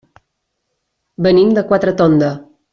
Venim de Quatretonda.